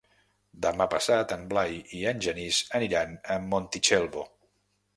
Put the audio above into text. Demà passat en Blai i en Genís aniran a Montitxelvo.